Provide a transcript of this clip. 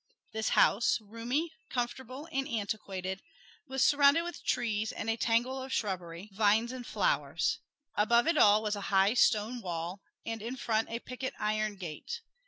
This house, roomy, comfortable and antiquated, was surrounded with trees and a tangle of shrubbery, vines and flowers; above it all was a high stone wall, and in front a picket iron gate.